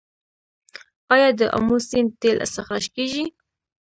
آیا د امو سیند تیل استخراج کیږي؟